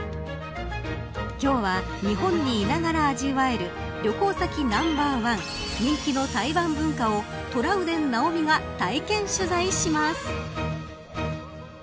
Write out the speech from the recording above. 今日は日本にいながら味わえる旅行先ナンバーワン人気の台湾文化をトラウデン直美が体験取材します。